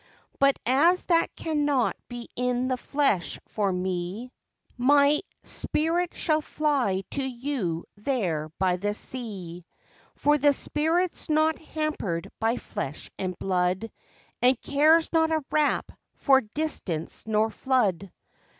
But as that cannot be in the flesh for me, my spirit shall fly to you there by the sea, for the spirit's not hampered by flesh and blood, and cares not a rap for distance nor flood.